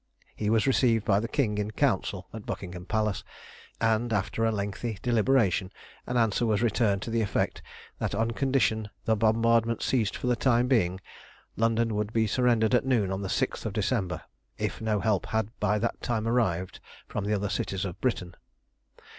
He was received by the King in Council at Buckingham Palace, and, after a lengthy deliberation, an answer was returned to the effect that on condition the bombardment ceased for the time being, London would be surrendered at noon on the 6th of December if no help had by that time arrived from the other cities of Britain.